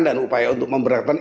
dan upaya untuk memberatkan